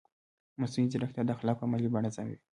مصنوعي ځیرکتیا د اخلاقو عملي بڼه ازموي.